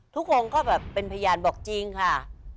ทุกคนก็แบบเป็นพยานบอกจริงค่ะ